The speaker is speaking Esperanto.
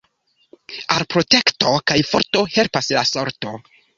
Al protekto kaj forto helpas la sorto.